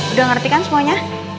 udah ngerti kan semuanya